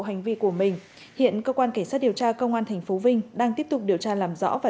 hành vi của mình hiện cơ quan cảnh sát điều tra công an tp vinh đang tiếp tục điều tra làm rõ và